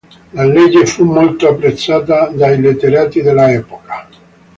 La legge fu molto apprezzata dai letterati dell'epoca.